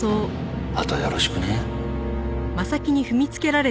あとよろしくね。